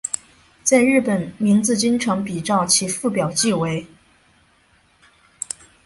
在日本名字经常比照其父表记为。